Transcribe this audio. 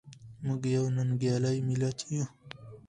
موږ یو ننګیالی ملت یو.